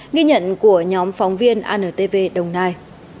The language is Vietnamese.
nghi nhận của nhóm phóng viên antv đồng nai